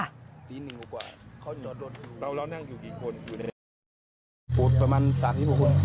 อู๋ประมาณ๓๖คุณ